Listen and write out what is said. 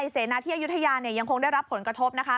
เสนาที่อายุทยายังคงได้รับผลกระทบนะคะ